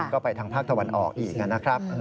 ก็ไปทางภาคตะวันออกอีกนะครับ